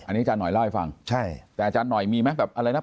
อันนี้อาจารย์หน่อยเล่าให้ฟังใช่แต่อาจารย์หน่อยมีไหมแบบอะไรนะ